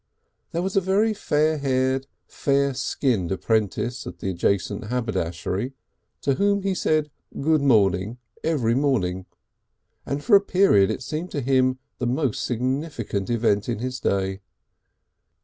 There was a very fair haired, fair skinned apprentice in the adjacent haberdashery to whom he said "good morning" every morning, and for a period it seemed to him the most significant event in his day.